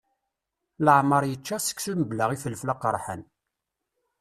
Laεmeṛ yečča seksu mbla ifelfel aqerḥan.